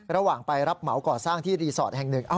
ระหว่างไปรับเหมาก่อสร้างที่รีสอร์ทแห่งหนึ่ง